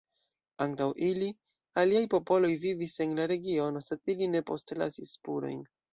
Antaŭ ili, aliaj popoloj vivis en la regiono, sed ili ne postlasis spurojn.